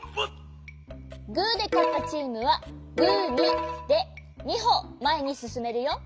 グーでかったチームはグミで２ほまえにすすめるよ。